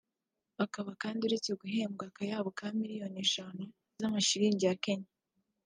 akaba kandi uretse guhembwa akayabo ka miliyoni eshanu z’amashilingi ya Kenya